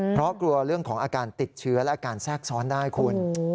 เพราะกลัวเรื่องของอาการติดเชื้อและอาการแทรกซ้อนได้คุณ